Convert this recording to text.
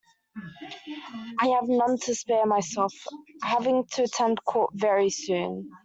I have none to spare myself, having to attend court very soon.